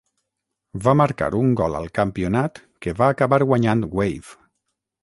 Va marcar un gol al campionat que va acabar guanyant Wave.